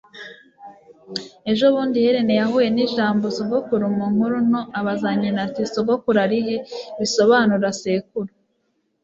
Ejobundi Helen yahuye nijambo sogokuru mu nkuru nto abaza nyina ati: "Sogokuru ari he?" bisobanura sekuru.